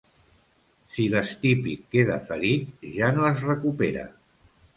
Si l'estípit queda ferit, ja no es recupera.